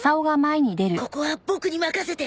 ここはボクに任せて！